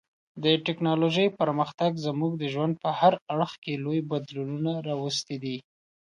د ټکنالوژۍ پرمختګ زموږ د ژوند په هر اړخ کې لوی بدلونونه راوستي دي.